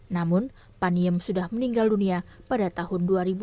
namun paniem sudah meninggal dunia pada tahun dua ribu dua